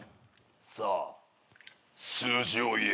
さあ数字を言え。